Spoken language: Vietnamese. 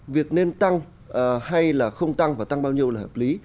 việc nên tăng hay là không tăng và tăng bao nhiêu là hợp lý